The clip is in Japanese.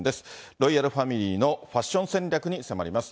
ロイヤルファミリーのファッション戦略に迫ります。